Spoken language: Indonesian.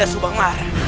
untuk sebuah creator